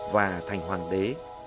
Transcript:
và thành hoàng đế